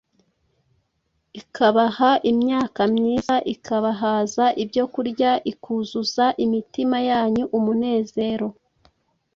ikabaha imyaka myiza, ikabahaza ibyokurya, ikuzuza imitima yanyu umunezero